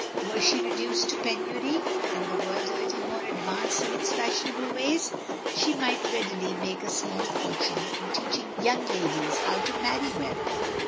Were she reduced to penury, and the world a little more advanced in its fashionable ways, she might readily make a small fortune in teaching young ladies "How to Marry Well."